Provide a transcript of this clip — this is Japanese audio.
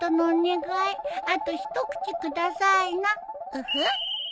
ウフッ。